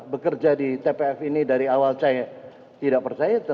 bekerja di tpf ini dari awal saya tidak percaya